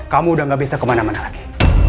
kamu udah gak bisa kemana mana lagi